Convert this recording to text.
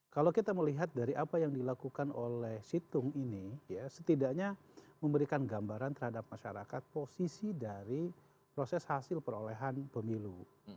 kalau kita melihat dari apa yang dilakukan oleh situng ini ya setidaknya memberikan gambaran terhadap masyarakat posisi dari proses hasil perolehan pemilu